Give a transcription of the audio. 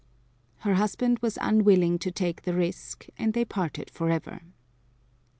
Her husband was unwilling to take the risk and they parted forever.